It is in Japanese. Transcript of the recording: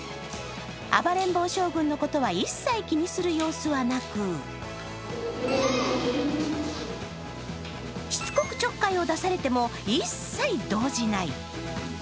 暴れん坊将軍のことは一切気にする様子はなくしつこくちょっかいを出されても、一切動じない。